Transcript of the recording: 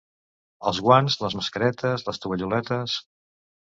Els guants, les mascaretes, les tovalloletes...